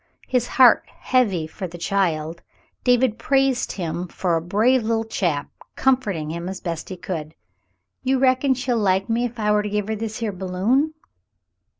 His heart heavy for the child, David praised him for a brave Httle chap, comforting him as best he could. "You reckon she'd like me if I war to give her this here balloon.?"